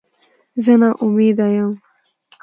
زه نا امیده یم